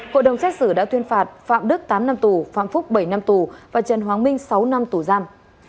hội đồng xét xử đã tuyên phạt phạm đức tám năm tù phạm phúc bảy năm tù và trần hoàng minh sáu năm tù giam